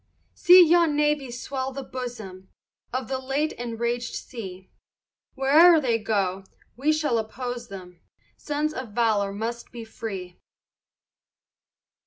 See yon navy swell the bosom Of the late enragèd sea; Where'er they go, we shall oppose them, Sons of valor must be free.